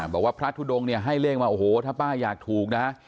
บอกว่าพระทุดงให้เลขมาโอ้โหถ้าป้าอยากถูกนะ